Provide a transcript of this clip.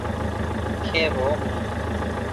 کێ بوو؟